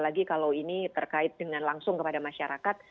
lagi kalau ini terkait dengan langsung kepada masyarakat